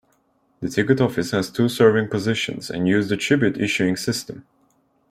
The ticket office has two serving positions and uses the Tribute issuing system.